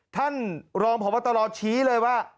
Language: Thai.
ท่านรองผอมพันธ์ตลอดชี้เลยว่า